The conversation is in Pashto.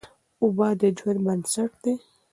اوبه د ژوند بنسټ دی.